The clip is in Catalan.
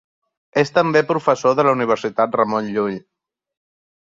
És també professor de la Universitat Ramon Llull.